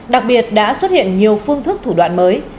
đặc biệt đã xuất hiện nhiều phương thức thủ đoạn mới